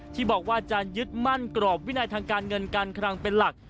ที่บอกว่าจะยึดมั่นกรอบวินัยทางการเงินการคลังเป็นหลัก